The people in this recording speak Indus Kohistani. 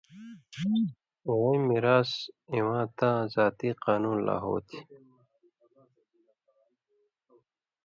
اِوَیں مِراث اِواں تاں ذاتی قانُون لا ہو تھی۔